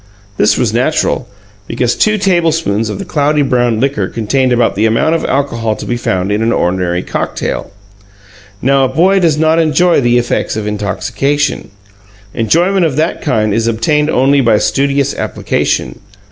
This was natural, because two tablespoons of the cloudy brown liquor contained about the amount of alcohol to be found in an ordinary cocktail. Now a boy does not enjoy the effects of intoxication; enjoyment of that kind is obtained only by studious application.